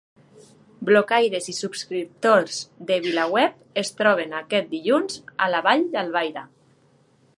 Blocaires i subscriptors de VilaWeb es troben aquest dilluns a la Vall d'Albaida.